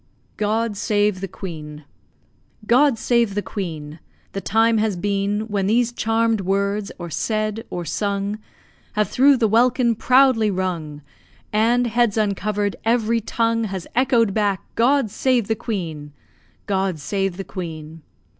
GOD SAVE THE QUEEN God save the Queen. The time has been When these charmed words, or said or sung, Have through the welkin proudly rung; And, heads uncovered, every tongue Has echoed back "God save the Queen!" God save the Queen!